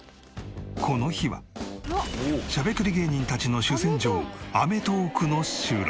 この日はしゃべくり芸人たちの主戦場『アメトーーク』の収録。